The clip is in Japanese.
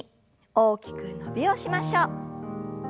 大きく伸びをしましょう。